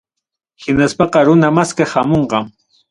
Hinaspaqa runa maskaq hamunqa.